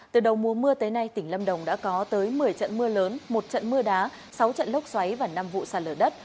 từ đầu mùa mưa tới nay tỉnh lâm đồng đã có tới một mươi trận mưa lớn một trận mưa đá sáu trận lốc xoáy và năm vụ sàn lở đất